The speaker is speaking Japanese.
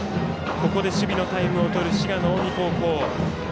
ここで守備のタイムをとる滋賀、近江高校。